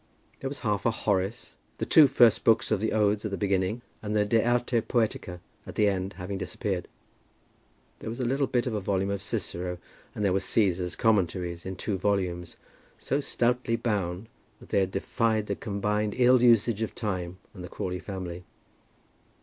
There was half a Horace, the two first books of the Odes at the beginning, and the De Arte Poetica at the end having disappeared. There was a little bit of a volume of Cicero, and there were Cæsar's Commentaries, in two volumes, so stoutly bound that they had defied the combined ill usage of time and the Crawley family.